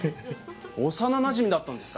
幼なじみだったんですか？